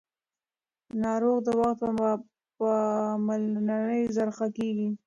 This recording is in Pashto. ناروغ د وخت پر پاملرنې ژر ښه کېږي